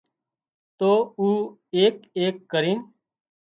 تو او ايڪ ايڪ ڪرينَ